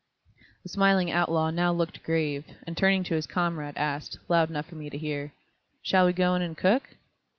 The smiling outlaw now looked grave, and turning to his comrade asked, loud enough for me to hear: "Shall we go in and cook?"